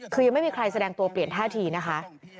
คือยังไม่มีใครแสดงตัวเปลี่ยนท่าทีนะคะ